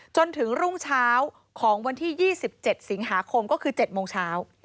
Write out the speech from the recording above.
จนถึงรุ่งเช้าของวันที่๒๗สิงหาคมก็คือ๗โมงเช้า